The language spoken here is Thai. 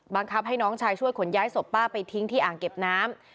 บังคับให้น้องชายช่วยขนย้ายศพป้าไปทิ้งที่อ่างเก็บน้ำ